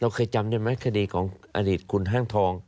เคยจำได้ไหมคดีของอดีตคุณห้างทอง